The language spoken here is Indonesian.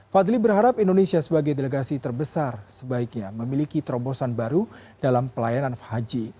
fadli berharap indonesia sebagai delegasi terbesar sebaiknya memiliki terobosan baru dalam pelayanan haji